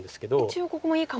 一応ここもいい構えに。